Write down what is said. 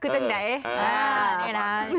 เพื่อนน้องจะติดยังไง